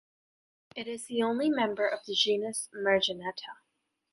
It is the only member of the genus Merganetta.